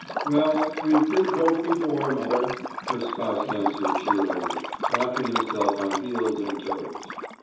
"Well, we've been broke before, mother," her spouse answered cheerily, rocking himself on heels and toes.